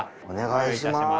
お願いします。